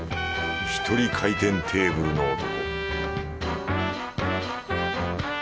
一人回転テーブルの男